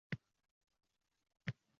Maktub rus tilida yozilgan